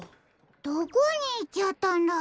どこにいっちゃったんだろ？